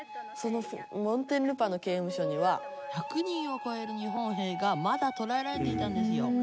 そのモンテンルパの刑務所には１００人を超える日本兵がまだ捕らえられていたんですよ。